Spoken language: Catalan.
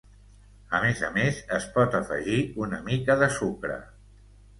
A més a més, es pot afegir una mica de sucre.